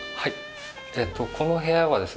この部屋はですね